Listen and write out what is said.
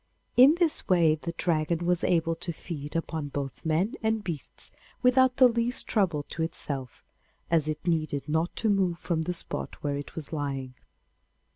In this way the Dragon was able to feed upon both men and beasts without the least trouble to itself, as it needed not to move from the spot where it was lying.